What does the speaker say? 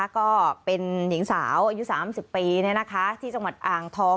ก็เป็นหญิงสาวอายุ๓๐ปีที่จังหวัดอ่างทอง